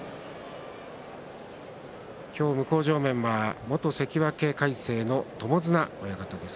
今日、向正面は元関脇魁聖の友綱親方です。